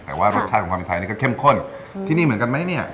แต่ว่ารสชาติของความเป็นไทยนี่ก็เข้มข้นที่นี่เหมือนกันไหมเนี่ย